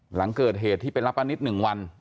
หลังเกิดเหตุที่เป็นรับประนิษฐ์๑วัน